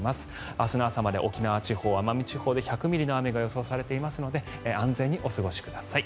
明日の朝まで沖縄地方、奄美地方で１００ミリの雨が予想されていますので安全にお過ごしください。